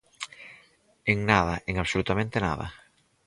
En nada, en absolutamente nada.